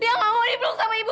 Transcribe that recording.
lia ngomong ini belum sama ibu